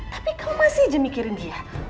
tapi kau masih aja mikirin dia